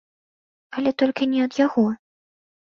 Але толькі не ад яго.